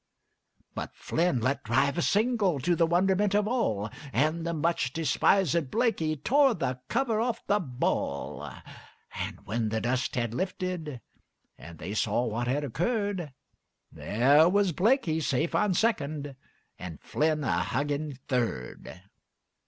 But Flynn let drive a single to the wonderment of all, And the much despisèd Blakey tore the cover off the ball, And when the dust had lifted and they saw what had occurred, There was Blakey safe on second, and Flynn a hugging third.